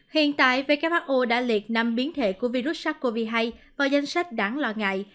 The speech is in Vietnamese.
hiện tại who đã liệt năm biến thể của virus sars cov hai vào danh sách đáng lo ngại